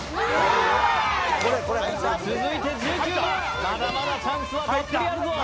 続いては１９番、まだまだチャンスはたっぷりあるぞ。